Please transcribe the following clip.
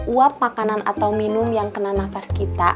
uap makanan atau minum yang kena nafas kita